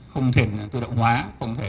không thể tự động hóa